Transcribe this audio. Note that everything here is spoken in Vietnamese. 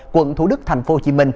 quận thủ đức tp hcm